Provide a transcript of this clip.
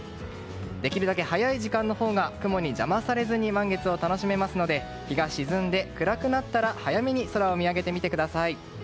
できるだけ早い時間のほうが雲に邪魔されずに満月を楽しめますので日が沈んで暗くなったら早めに空を見上げてみてください。